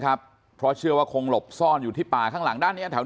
ครับเพราะเชื่อว่าคงหลบซ่อนอยู่ที่ป่าข้างหลังด้านเนี้ยแถว